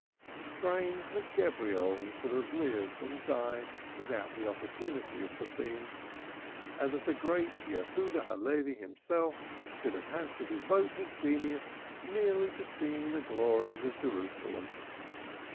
Strange that Gebirol should have lived and died without the opportunity of the theme, and that the great Jehuda Halevi himself should have had to devote his genius merely to singing the glories of Jerusalem.